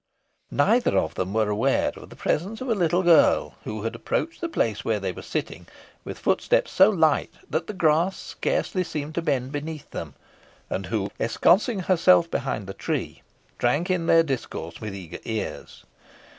Neither of them were aware of the presence of a little girl, who had approached the place where they were sitting, with footsteps so light that the grass scarcely seemed to bend beneath them, and who, ensconcing herself behind the tree, drank in their discourse with eager ears.